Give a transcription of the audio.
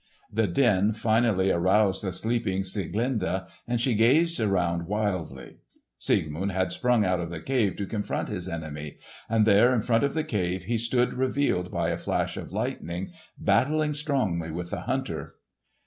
The din finally aroused the sleeping Sieglinde, and she gazed around wildly. Siegmund had sprung out of the cave to confront his enemy; and there in front of the cave he stood revealed by a flash of lightning battling strongly with the hunter.